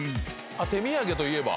手土産といえば。